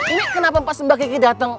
ini kenapa pas mbak kiki datang